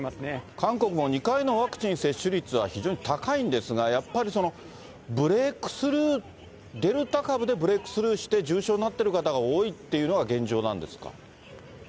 韓国も２回のワクチン接種率は、非常に高いんですが、やっぱりブレークスルー、デルタ株でブレークスルーして、重症になっている方が多いっていうのが現状なんですか？